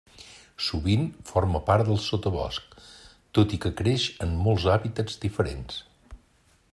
Sovint forma part del sotabosc, tot i que creix en molts hàbitats diferents.